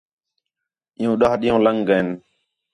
عِیُّوں ݙَاہ ݙِین٘ہوں لنڳ ڳئین